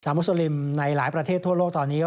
มุสลิมในหลายประเทศทั่วโลกตอนนี้